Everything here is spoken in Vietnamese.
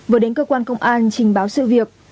vừa đến cơ quan công an trình báo sự việc